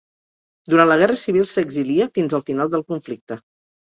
Durant la guerra civil s'exilia fins al final del conflicte.